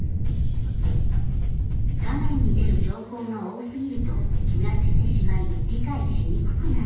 画面に出る情報が多すぎると気が散ってしまい理解しにくくなる。